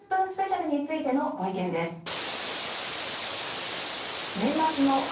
スペシャルについてのご意見です。